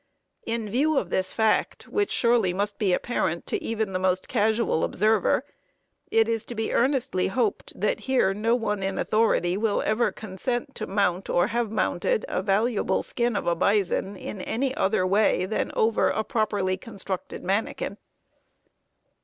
In view of this fact, which surely must be apparent to even the most casual observer, it is to be earnestly hoped that here no one in authority will ever consent to mount or have mounted a valuable skin of a bison in any other way than over a properly constructed manikin.